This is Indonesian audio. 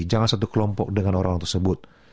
jangan satu kelompok dengan orang tersebut